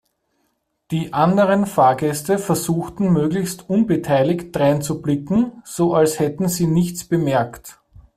Die anderen Fahrgäste versuchten möglichst unbeteiligt dreinzublicken, so als hätten sie nichts bemerkt.